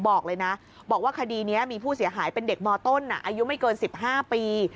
บอกเลยนะบอกว่าคดีนี้มีผู้เสียหายเป็นเด็กมต้นอายุไม่เกิน๑๕ปี